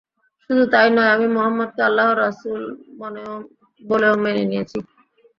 শুধু তাই নয়, আমি মুহাম্মাদকে আল্লাহর রাসূল বলেও মেনে নিয়েছি।